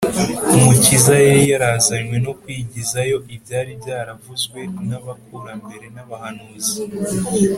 umukiza yari yarazanywe no kwigizayo ibyari byaravuzwe n’abakurambere n’abahanuzi